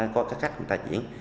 có cái cách người ta chuyển